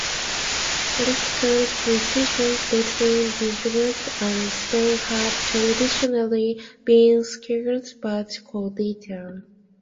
Political relations between Djibouti and Spain have traditionally been scarce but cordial.